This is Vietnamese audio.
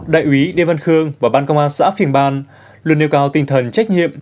đại úy điên văn khương và ban công an xã thương ban luôn yêu cầu tinh thần trách nhiệm